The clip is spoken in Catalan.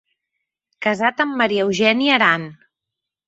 Casat amb Maria Eugènia Aran.